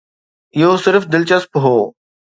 اهو صرف دلچسپ هو.